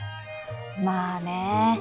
まあね。